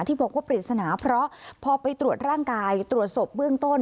ที่บอกว่าปริศนาเพราะพอไปตรวจร่างกายตรวจศพเบื้องต้น